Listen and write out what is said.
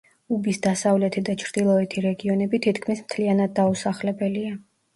უბის დასავლეთი და ჩრდილოეთი რეგიონები თითქმის მთლიანად დაუსახლებელია.